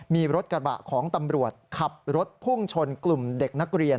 มีรถกระบะของตำรวจขับรถพุ่งชนกลุ่มเด็กนักเรียน